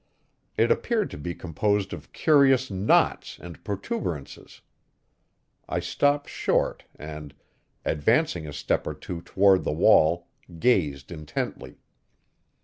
It appeared to be composed of curious knots and protuberances. I stopped short, and, advancing a step or two toward the wall, gazed intently.